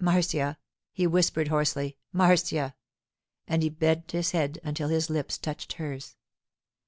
'Marcia,' he whispered hoarsely, 'Marcia,' and he bent his head until his lips touched hers.